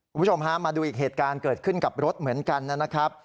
คุณผู้ชมฮะมาดูอีกเหตุการณ์เกิดขึ้นกับรถเหมือนกันนะครับ